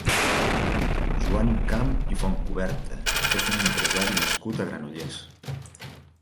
Joan Camp i Fontcuberta és un empresari nascut a Granollers.